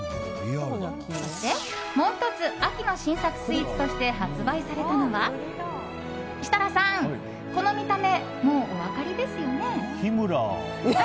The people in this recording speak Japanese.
で、もう１つ秋の新作スイーツとして発売されたのは設楽さん、この見た目もうお分かりですよね。